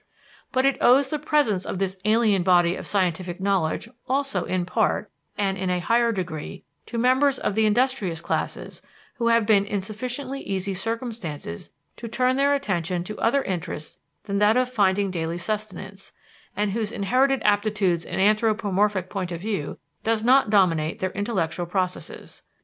But it owes the presence of this alien body of scientific knowledge also in part, and in a higher degree, to members of the industrious classes who have been in sufficiently easy circumstances to turn their attention to other interests than that of finding daily sustenance, and whose inherited aptitudes and anthropomorphic point of view does not dominate their intellectual processes.